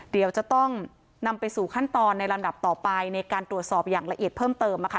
เดี๋ยวจะต้องนำไปสู่ขั้นตอนในลำดับต่อไปในการตรวจสอบอย่างละเอียดเพิ่มเติมนะคะ